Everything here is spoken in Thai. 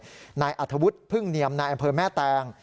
ทหารนายอัทธวทธ์พึ่งเหนียมนายแอมแม่แตง